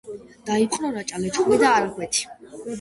დაიპყრო რაჭა-ლეჩხუმი და არგვეთი.